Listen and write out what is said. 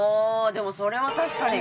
でもそれは確かに。